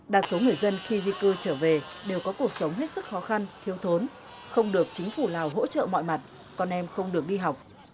đa số người dân khi di cư trở về đều có cuộc sống hết sức khó khăn thiếu thốn không được chính phủ lào hỗ trợ mọi mặt con em không được đi học